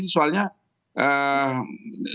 soalnya kubu sebelah itu kan